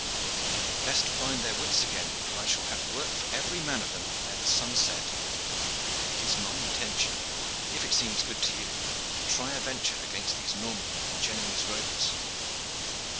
"They had best find their wits again, for I shall have work for every man of them ere the sun set. It is my intention, if it seems good to you, to try a venture against these Norman and Genoese rovers."